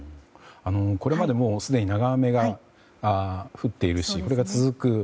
これまで、すでに長雨が降っているしこれが続く。